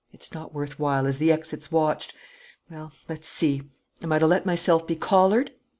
"It's not worth while, as the exit's watched. Well, let's see; am I to let myself be collared?